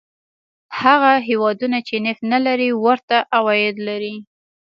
هغه هېوادونه چې نفت نه لري ورته عواید لري.